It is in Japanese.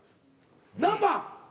何番？